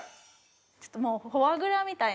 ちょっとフォアグラみたいな。